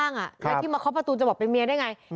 แล้วที่มาเคาะประตูจะบอกเป็นเมียได้ไง